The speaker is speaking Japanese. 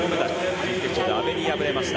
準決勝で阿部に敗れました。